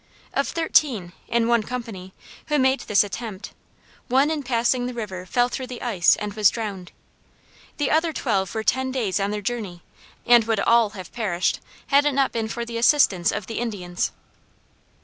Of thirteen, in one company, who made this attempt, one in passing the river fell through the ice and was drowned. The other twelve were ten days on their journey, and would all have perished, had it not been for the assistance of the Indians.